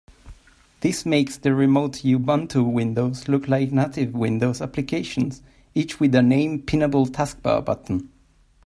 This makes the remote Ubuntu windows look like native Windows applications, each with a named pinnable taskbar button.